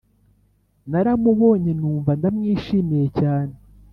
Naramubonye numva ndamwishimiye cyane